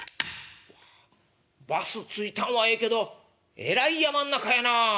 「うわバス着いたんはええけどえらい山ん中やなあ。